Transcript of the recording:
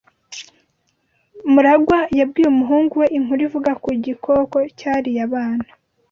MuragwA yabwiye umuhungu we inkuru ivuga ku gikoko cyariye abana.